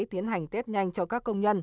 tiến hành test nhanh cho các công nhân